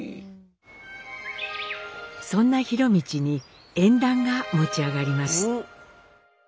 そんな博通に縁談が持ち上がります。